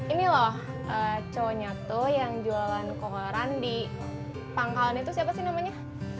ini loh cowoknya tuh yang jualan koran di pangkalan itu siapa sih namanya